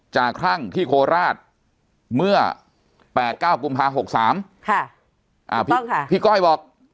จากครั้งที่โคราชเมื่อแปดเก้ากุมภาคมหกสามค่ะอ่าถูกต้องค่ะพี่ก้อยบอก